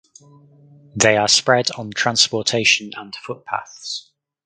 They are spread on transportation and footpaths.